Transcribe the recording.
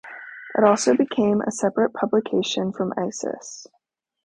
It then also became a separate publication from "Isis".